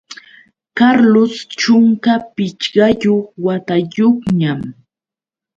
Carlos chunka pichqayuq watayuqñam.